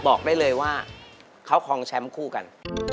บอกได้เลยว่าเขาคลองแชมป์คู่กัน